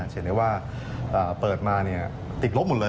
เห็นได้ว่าเปิดมาติดลบหมดเลย